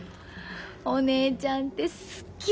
お姉ちゃんって好き！